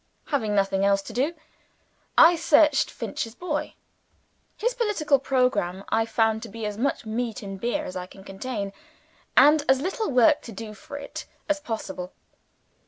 Having nothing else to do, I searched Finch's boy. His political programme, I found to be: As much meat and beer as I can contain; and as little work to do for it as possible.